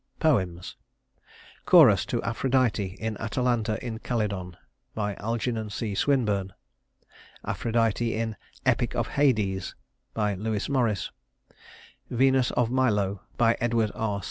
Poems: Chorus to Aphrodite in "Atalanta in Calydon" ALGERNON C. SWINBURNE Aphrodite in "Epic of Hades" LEWIS MORRIS Venus of Milo EDWARD R.